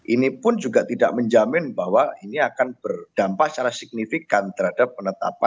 ini pun juga tidak menjamin bahwa ini akan berdampak secara signifikan terhadap penetapan